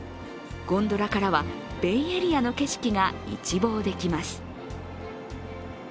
ゴンドラからはベイエリアの景色が一望できます。